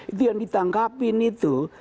itu yang ditangkapin itu